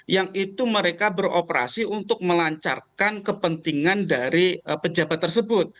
yang itu mereka beroperasi untuk melancarkan kepentingan dari pejabat tersebut